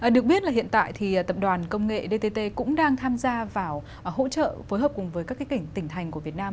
được biết là hiện tại thì tập đoàn công nghệ dtt cũng đang tham gia vào hỗ trợ phối hợp cùng với các cái tỉnh tỉnh thành của việt nam